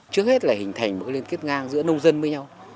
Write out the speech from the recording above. trước hết là hình thành một liên kết ngang giữa nông dân với nhau